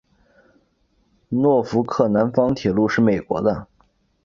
诺福克南方铁路是美国的。